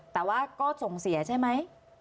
แต่ว่าก็ส่งเสียใช่ไหม